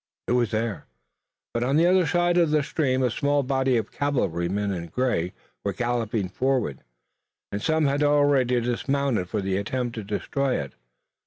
It was there, but on the other side of the stream a small body of cavalrymen in gray were galloping forward, and some had already dismounted for the attempt to destroy it.